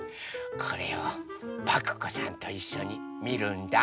これをパクこさんといっしょにみるんだ。